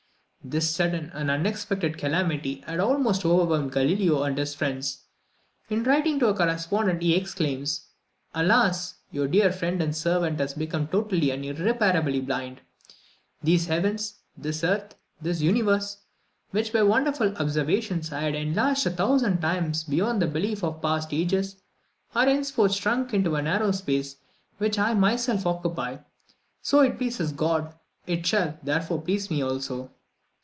This sudden and unexpected calamity had almost overwhelmed Galileo and his friends. In writing to a correspondent he exclaims, "Alas! your dear friend and servant has become totally and irreparably blind. These heavens, this earth, this universe, which by wonderful observation I had enlarged a thousand times beyond the belief of past ages, are henceforth shrunk into the narrow space which I myself occupy. So it pleases God; it shall, therefore, please me also."